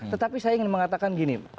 tetapi saya ingin mengatakan gini